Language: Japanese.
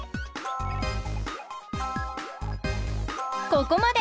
ここまで！